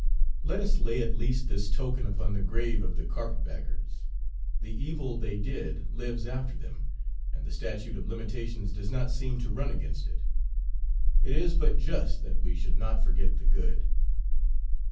Let us lay at least this token upon the grave of the carpet baggers. The evil they did lives after them, and the statute of limitations does not seem to run against it. It is but just that we should not forget the good.